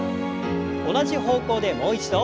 同じ方向でもう一度。